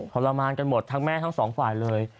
ทรมานกันหมดทั้งแม่ทั้งสองฝ่ายเลย